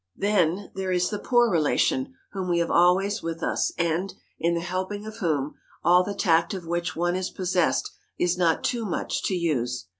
[Sidenote: THE POOR RELATION] Then there is the poor relation whom we have always with us and, in the helping of whom, all the tact of which one is possessed is not too much to use.